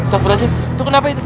safra lazim itu kenapa itu